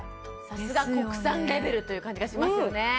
さすが国産レベルという感じがしますよね